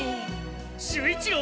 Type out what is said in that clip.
守一郎！